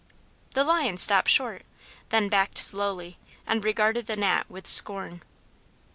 The Lion stopped short, then backed slowly and regarded the Gnat with scorn.